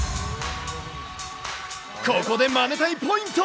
ここでマネたいポイント。